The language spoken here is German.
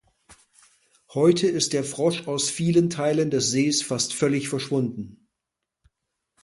Heute ist der Frosch aus vielen Teilen des Sees fast völlig verschwunden.